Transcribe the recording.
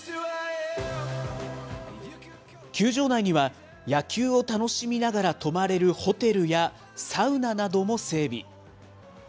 球場内には野球を楽しみながら泊まれるホテルや、サウナなども整備。